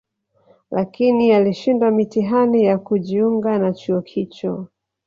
Lakini alishindwa mitihani ya kujiunga na chuo hicho